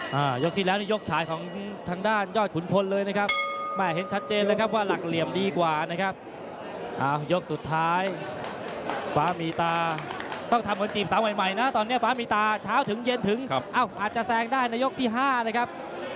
ยกที่แล้วในยกฉายของทางด้านยอดขุนพลเลยนะครับแม่เห็นชัดเจนเลยครับว่าหลักเหลี่ยมดีกว่านะครับอ้าวยกสุดท้ายฟ้ามีตาต้องทำคนจีบสาวใหม่ใหม่นะตอนเนี้ยฟ้ามีตาเช้าถึงเย็นถึงครับเอ้าอาจจะแซงได้ในยกที่ห้านะครับ